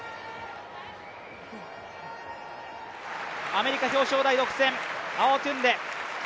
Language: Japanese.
アメリカ、表彰台独占、アウォトゥンデ。